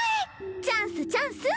チャンスチャンス！